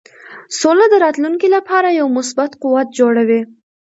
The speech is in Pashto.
سوله د راتلونکې لپاره یو مثبت قوت جوړوي.